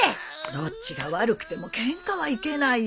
どっちが悪くてもケンカはいけないよ。